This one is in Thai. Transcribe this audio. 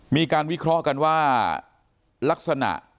มีการวิเคราะห์กันว่าลักษณะ